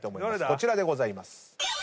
こちらでございます。